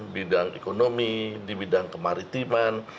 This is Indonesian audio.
bidang ekonomi di bidang kemaritiman